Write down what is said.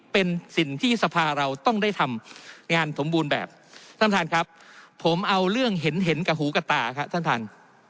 เป็นสิ่งที่สภาเราต้องได้ทำงานสมบูรณ์แบบท่านประธานครับผมเอาเรื่องเห็นเห็นกับหูกับตาครับท่านท่าน